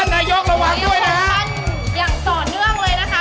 อย่างต่อเนื่องเลยนะครับ